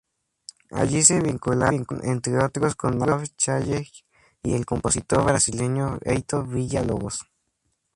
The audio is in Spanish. Allí se vincularon, entre otros con Marc Chagall y el compositor brasileño Heitor Villa-Lobos.